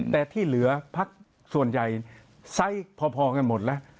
แต่ที่เหลือพักส่วนใหญ่ไซส์พอกันหมดแล้ว